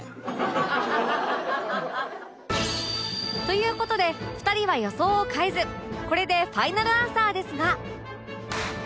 という事で２人は予想を変えずこれでファイナルアンサーですが